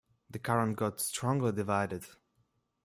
The current got strongly divided.